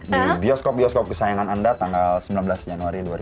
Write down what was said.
di bioskop bioskop kesayangan anda tanggal sembilan belas januari dua ribu dua puluh